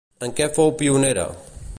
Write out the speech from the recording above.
En què fou pionera?